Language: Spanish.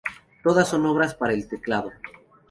Todas son obras para teclado.